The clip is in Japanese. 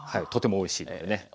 とてもおいしいのでね。